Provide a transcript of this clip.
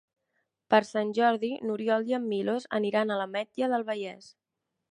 Per Sant Jordi n'Oriol i en Milos aniran a l'Ametlla del Vallès.